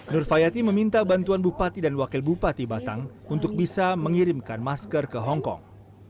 nur fayati meminta bantuan bupati dan wakil bupati batang untuk bisa mengirimkan masker ke hongkong